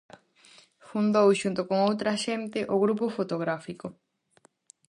Fundou, xunto con outra xente, o grupo fotográfico.